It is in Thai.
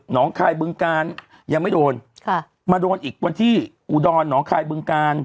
งคายบึงกาลยังไม่โดนค่ะมาโดนอีกวันที่อุดรหนองคายบึงกาล